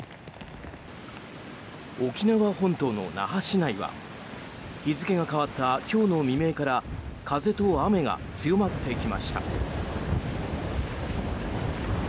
沖縄本島の那覇市内は日付が変わった今日の未明から風と雨が強まってきました。